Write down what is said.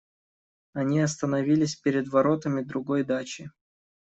Они остановились перед воротами другой дачи.